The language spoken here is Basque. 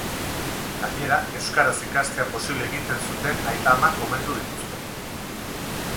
Gainera, euskaraz ikastea posible egin zuten aita-amak omendu dituzte.